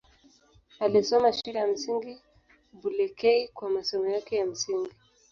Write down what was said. Alisoma Shule ya Msingi Bulekei kwa masomo yake ya msingi.